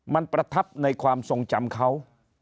มันประทับในความทรงจำเขา